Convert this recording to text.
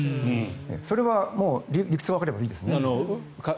それは理屈がわかればいいですよね。